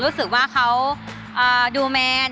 รู้สึกว่าเขาดูแมน